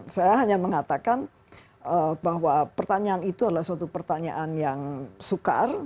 saya hanya mengatakan bahwa pertanyaan itu adalah suatu pertanyaan yang sukar